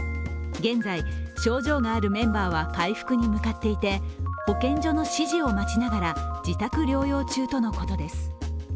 現在、症状があるメンバーは回復に向かっていて保健所の指示を待ちながら、自宅療養中だということです。